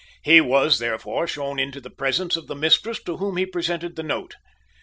He was, therefore, shown into the presence of the mistress, to whom he presented the note.